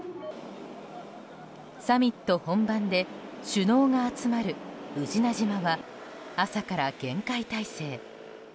サミット本番で首脳が集まる宇品島は朝から厳戒態勢。